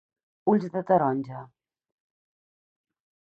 Ulls de taronja.